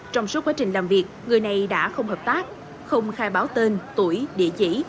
trong suốt quá trình làm việc người này đã không hợp tác không khai báo tên tuổi địa chỉ